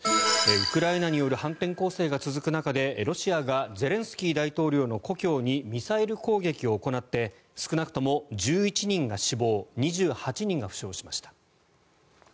ウクライナによる反転攻勢が続く中でロシアがゼレンスキー大統領の故郷にミサイル攻撃を行って少なくとも１１人が死亡２８人が負傷しました。